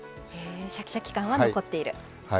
シャキシャキ感は残っている。